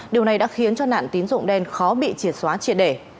điều này đã khiến cho nạn tín dụng đen khó bị triệt xóa triệt để